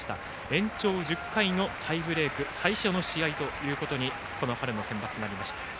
延長１０回のタイブレーク、最初の試合とこの春のセンバツ、なりました。